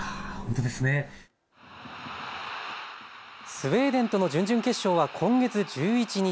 スウェーデンとの準々決勝は今月１１日。